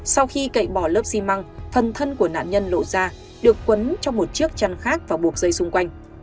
sau khi cậy bỏ lớp xi măng phần thân của nạn nhân lộ ra được quấn trong một chiếc chăn khác và buộc dây xung quanh